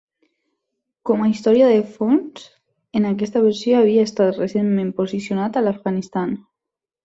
Com a historia de fons, en aquesta versió havia estat recentment posicionat a l'Afganistan.